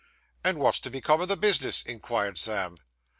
'And wot's to become o' the bis'ness?' inquired Sam.